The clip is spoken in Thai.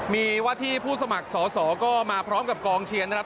มีว่าที่ผู้สมัครสอสอก็มาพร้อมกับกองเชียร์นะครับ